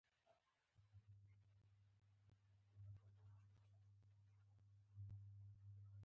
هغې ورته وویل چې د موږکانو په څیر غلي شي